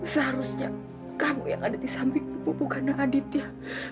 seharusnya kamu yang ada di samping bubuk bubukannya aditya